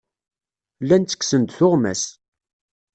Llan ttekksen-d tuɣmas.